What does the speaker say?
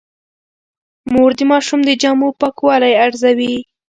مور د ماشوم د جامو پاکوالی ارزوي.